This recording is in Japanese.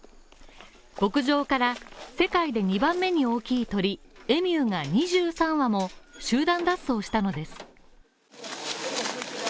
牧場から、世界で２番目に大きい鳥エミューが２３羽も集団脱走したのです。